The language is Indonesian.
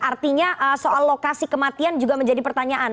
artinya soal lokasi kematian juga menjadi pertanyaan